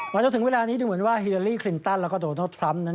จนถึงเวลานี้ดูเหมือนว่าฮิลาลีคลินตันแล้วก็โดนัลดทรัมป์นั้น